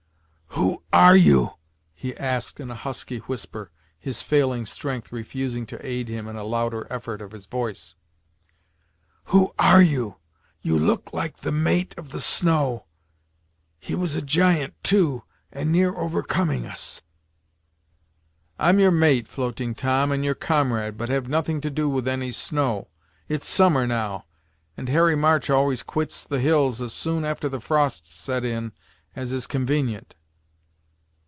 "Who are you?" he asked in a husky whisper, his failing strength refusing to aid him in a louder effort of his voice. "Who are you? You look like the mate of 'The Snow' he was a giant, too, and near overcoming us." "I'm your mate, Floating Tom, and your comrade, but have nothing to do with any snow. It's summer now, and Harry March always quits the hills as soon after the frosts set in, as is convenient."